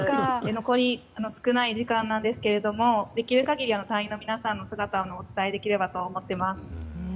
残り少ない時間なんですけれどもできる限り隊員の皆さんの姿をお伝えできればと思っています。